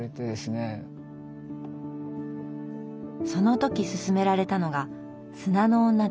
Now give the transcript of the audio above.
その時すすめられたのが「砂の女」でした。